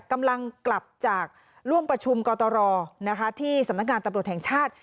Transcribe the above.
กำลังกลับจากร่วมประชุมกตรที่สำนักงานตำรวจแห่งชาติ